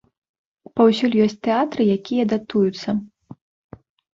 Паўсюль ёсць тэатры, якія датуюцца.